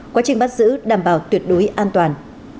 quá trình bắt giữ đảm bảo tuyệt đối an toàn